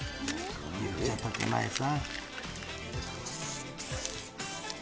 言っちゃった手前さ。